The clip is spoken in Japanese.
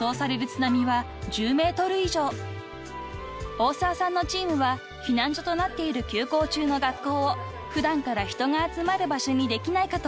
［大澤さんのチームは避難所となっている休校中の学校を普段から人が集まる場所にできないかと考えました］